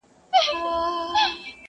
چي په تبر دي چپه په یوه آن کي٫